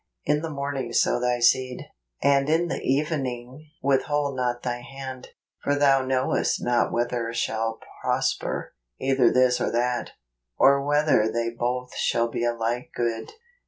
" In the morning soic thy seed, and in the evening withhold not thine hand: for thou knowest not whether shall prosper, either this or that, or whether they both shall be alike good."